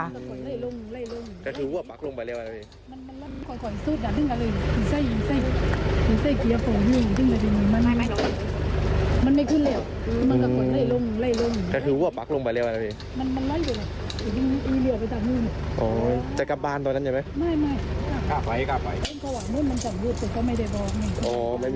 ไซค์นี้อยู่ประจำอย่างไรคะ